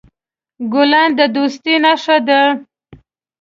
ګلان د دوستی نښه ده.